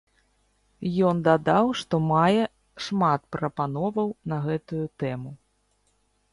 Ён дадаў, што мае шмат прапановаў на гэтую тэму.